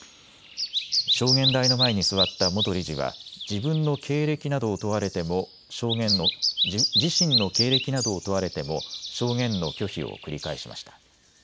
証言台の前に座った元理事は自身の経歴などを問われても証言の拒否を繰り返しました。